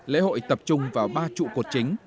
lễ hội tập trung vào ba trụ cột chính